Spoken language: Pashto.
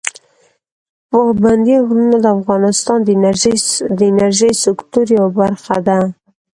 پابندي غرونه د افغانستان د انرژۍ سکتور یوه برخه ده.